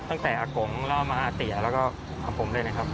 ตั้งแต่อากงล่อมะอาเตี๋ยแล้วก็คำผมด้วยนะครับ